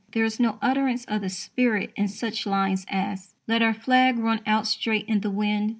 There is no utterance of the spirit in such lines as: Let our flag run out straight in the wind!